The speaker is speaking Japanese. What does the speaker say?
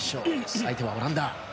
相手はオランダ。